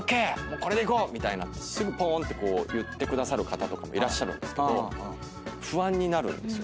これでいこう」みたいなすぐぽーんって言ってくださる方とかもいらっしゃるんですけど不安になるんですよね。